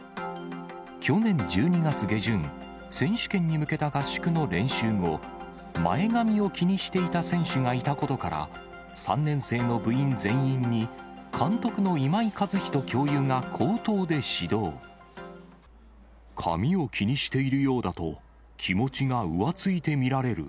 去年１２月下旬、選手権に向けた合宿の練習後、前髪を気にしていた選手がいたことから、３年生の部員全員に、髪を気にしているようだと、気持ちが浮ついて見られる。